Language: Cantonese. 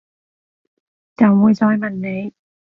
就會再問你